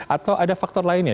atau ada faktor lainnya